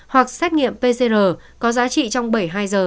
hoặc xét nghiệm pcr có giá trị trong bảy mươi hai giờ